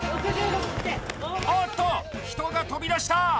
おっと、人が飛び出した！